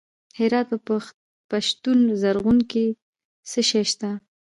د هرات په پشتون زرغون کې څه شی شته؟